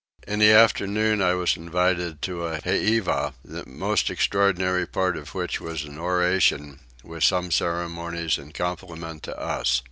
In the afternoon I was invited to a heiva, the most extraordinary part of which was an oration, with some ceremonies in compliment to us.